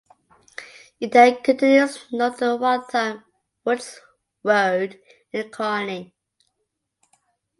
It then continues north to Waltham Woods Road in Carney.